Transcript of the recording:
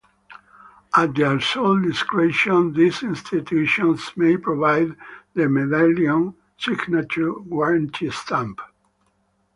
At their sole discretion these institutions may provide the medallion signature guarantee stamp.